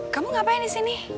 kamu ngapain di sini